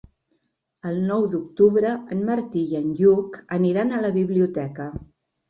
El nou d'octubre en Martí i en Lluc aniran a la biblioteca.